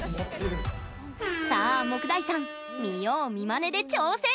さあ、杢代さん見よう見まねで挑戦！